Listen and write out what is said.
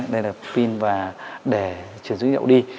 đây là pin để chuyển dữ liệu đi